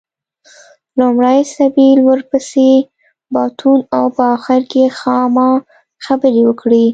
لومړی سېبل ورپسې باتون او په اخر کې خاما خبرې وکړې.